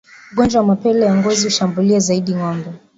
Ugonjwa wa mapele ya ngozi hushambulia zaidi ngombe